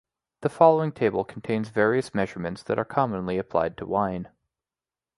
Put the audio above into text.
The following table contains various measurements that are commonly applied to wine.